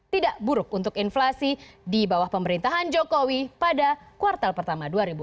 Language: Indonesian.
tidak buruk untuk inflasi di bawah pemerintahan jokowi pada kuartal pertama dua ribu enam belas